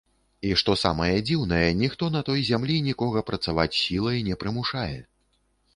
І што самае дзіўнае, ніхто на той зямлі нікога працаваць сілай не прымушае.